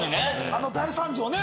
あの大惨事をね